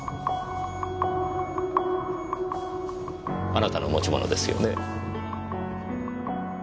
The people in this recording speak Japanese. あなたの持ち物ですよね？